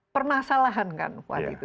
pernah salahan kan waktu itu